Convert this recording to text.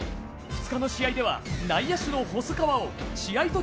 ２日の試合では、内野手の細川を試合